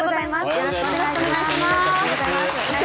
よろしくお願いします。